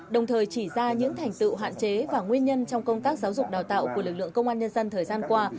đồng thời chỉ ra những thành tựu hạn chế và nguyên nhân trong công tác giáo dục đào tạo của lực lượng công an nhân dân thời gian qua